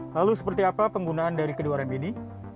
lalu seperti apa penggunaan dari kedua rem ini